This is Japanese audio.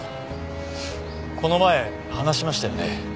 この前話しましたよね。